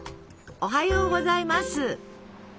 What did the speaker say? おはようございます。